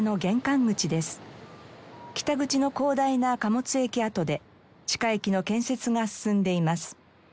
北口の広大な貨物駅跡で地下駅の建設が進んでいます。